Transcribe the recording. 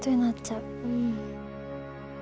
うん。